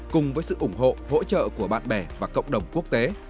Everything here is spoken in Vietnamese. cùng với sự ủng hộ hỗ trợ của bạn bè và cộng đồng quốc tế